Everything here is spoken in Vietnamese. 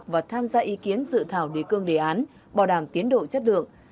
và tham gia ý kiến dự thảo đề cương đề án bảo đảm tiến độ chất lượng